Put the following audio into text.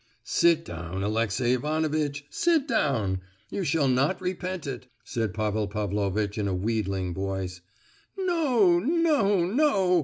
"Sit down, Alexey Ivanovitch, sit down! You shall not repent it!" said Pavel Pavlovitch in a wheedling voice. "No, no, no!"